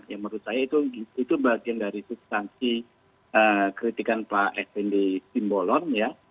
ya menurut saya itu bagian dari substansi kritikan pak fnd simbolon ya